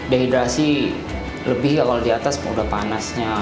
dehidrasi lebih kalau di atas udah panasnya